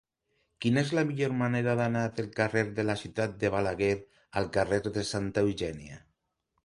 Quina és la millor manera d'anar del carrer de la Ciutat de Balaguer al carrer de Santa Eugènia?